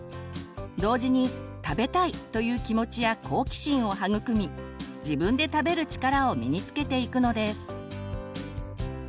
同時に「食べたい」という気持ちや好奇心を育み自分で食べる力を身につけていくのです。